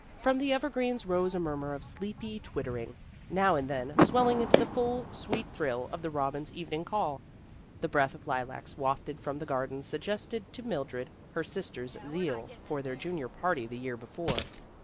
From the evergreens rose a murmur of sleepy twitter ing, now and then swelling into the full sweet thrill of the robin's evening call. The breath of lilacs wafted from the gar dens suggested to Mildred her sister's zeal for their junior party the year before.